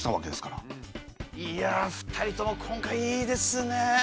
いや２人とも今回いいですね。